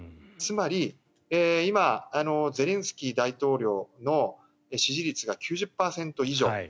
つまり、今ゼレンスキー大統領の支持率が９０％以上。